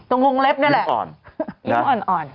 ตรงรุงเล็บนั่นแหละหิวอ่อน